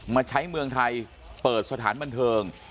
มาใช้เมืองไทยเปิดสถานบันเทิง